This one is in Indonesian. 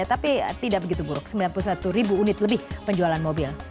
tapi tidak begitu buruk sembilan puluh satu ribu unit lebih penjualan mobil